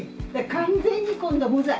完全に今度無罪。